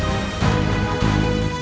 aku akan menang